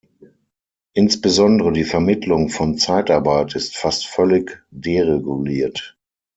Insbesondere die Vermittlung von Zeitarbeit ist fast völlig dereguliert.